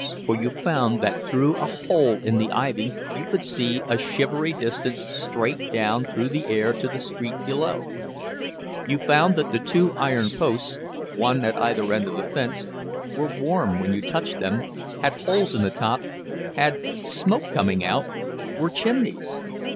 For you found that through a hole in the ivy you could see a shivery distance straight down through the air to a street below. You found that the two iron posts, one at either end of the fence, were warm when you touched them, had holes in the top, had smoke coming out were chimneys!